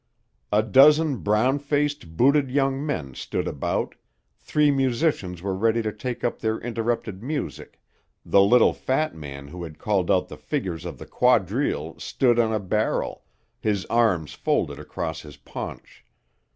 A dozen brown faced, booted young men stood about, three musicians were ready to take up their interrupted music, the little fat man who had called out the figures of the quadrille, stood on a barrel, his arms folded across his paunch.